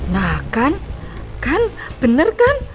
nah kan kan bener kan